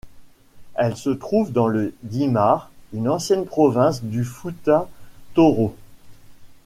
Elle se trouve dans le Dimar, une ancienne province du Fouta Toro.